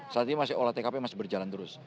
saat ini masih olah tkp masih berjalan terus